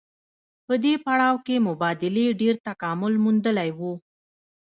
په دې پړاو کې مبادلې ډېر تکامل موندلی وو